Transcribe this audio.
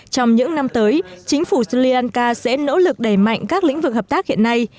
trong những năm tới chính phủ sri lanka sẽ nỗ lực đẩy mạnh các lĩnh vực hợp tác hiện nay